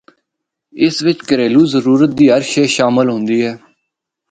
اس وچ کہریلو ضرورت دی ہر شے شامل ہوندی اے۔